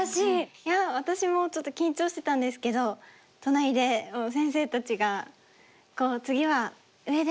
いや私もちょっと緊張してたんですけど隣で先生たちが「次は上で！